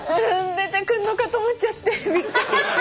出てくんのかと思っちゃって。